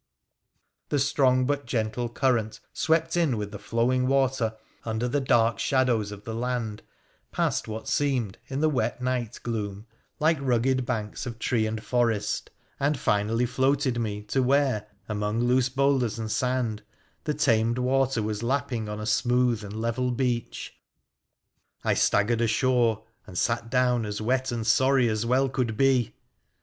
The strong but gentle current swept in with the flowing water under the dark shadows of the land, past what seemed, in the wet night gloom, like rugged banks of tree and forest, and finally floated me to where, among loose boulders and sand, the tamed water was lapping on a smooth and level beach. I staggered ashore, and sat down as wet and sorry as well could be.